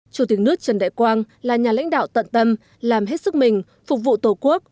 chủ tịch nước trần đại quang là nhà lãnh đạo tận tâm làm hết sức mình phục vụ tổ quốc